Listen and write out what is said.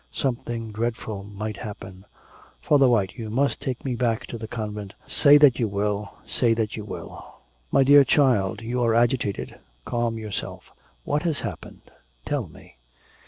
Something dreadful might happen. Father White, you must take me back to the convent, say that you will, say that you will.' 'My dear child, you are agitated, calm yourself. What has happened? Tell me.'